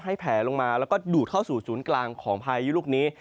แผลลงมาแล้วก็ดูดเข้าสู่ศูนย์กลางของพายุลูกนี้